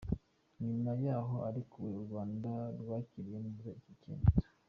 Nyuma yaho arekuriwe, u Rwanda rwakiriye neza iki cyemezo.